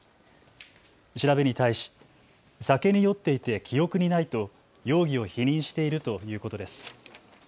調べに対し酒に酔っていて記憶にないと容疑を否認しているということです。